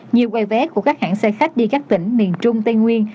như quay vé của các hãng xe khách đi các tỉnh miền trung tây nguyên